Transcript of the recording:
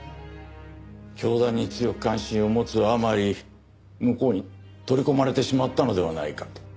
教団に強く関心を持つあまり向こうに取り込まれてしまったのではないかと。